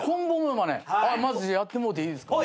まずやってもろていいですか？